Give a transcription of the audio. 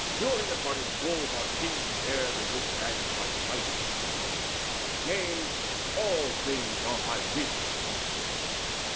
Furious hearted bulls are tamed To bear the yoke bands by device of men. Yea, all things are by wit accomplished.